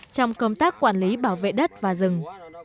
trong công tác quản lý bảo vệ đất và rừng